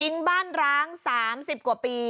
อิงบ้านร้าน๓๐กว่าปี